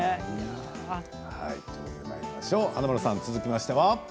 華丸さん、続きましては？